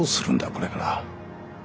これから。